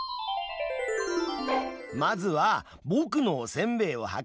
まずはぼくのおせんべいをはかるよ。